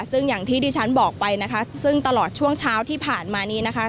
ซึ่งอย่างที่ดิฉันบอกไปนะคะซึ่งตลอดช่วงเช้าที่ผ่านมานี้นะคะ